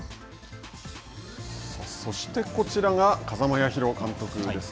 そして、こちらが風間八宏監督ですね。